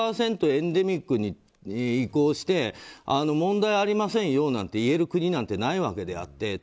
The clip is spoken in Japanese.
エンデミックに移行して、問題ありませんよといえる国なんてないわけであって。